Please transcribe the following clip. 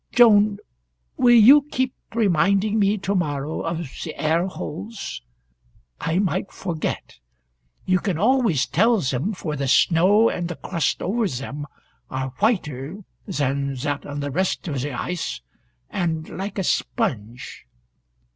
"Joan, will you keep reminding me to morrow of the air holes? I might forget. You can always tell them, for the snow and the crust over them are whiter than that on the rest of the ice, and like a sponge.